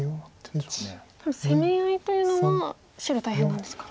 ただ攻め合いというのは白大変なんですか。